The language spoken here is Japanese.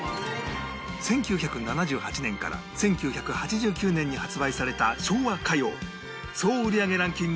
１９７８年から１９８９年に発売された昭和歌謡総売り上げランキング